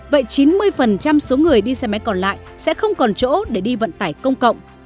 vậy chín mươi số người đi xe máy còn lại sẽ không còn chỗ để đi vận tải công cộng